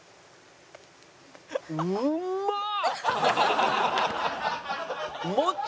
うまっ！